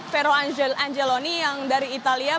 vero angeloni yang dari italia